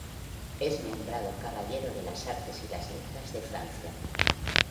Es nombrado Caballero de las Artes y las Letras de Francia.